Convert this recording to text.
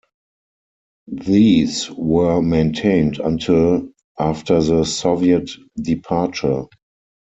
These were maintained until after the Soviet departure.